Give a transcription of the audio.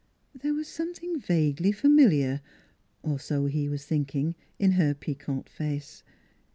There was something vaguely familiar or so he was thinking in her piquant face.